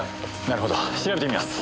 なるほど調べてみます。